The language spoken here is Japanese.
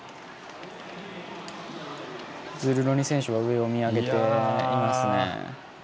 ズルロニ選手は上を見上げていますね。